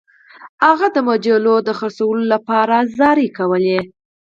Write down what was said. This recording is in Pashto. هغه د ورځپاڼو د پلورلو لپاره زارۍ کولې.